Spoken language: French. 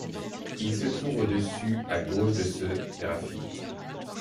Il se trouve au-dessus à gauche de ce sgraffite.